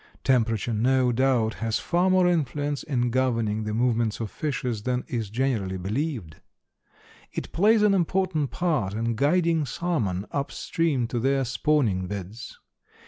Temperature no doubt has far more influence in governing the movement of fishes than is generally believed. It plays an important part in guiding salmon up stream to their spawning beds.